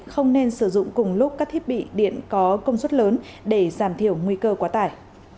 không nên sử dụng cùng lúc các thiết bị điện có công suất lớn để giảm thiểu nguy cơ quá tải